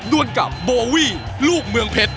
ดวนกับโบวี่ลูกเมืองเพชร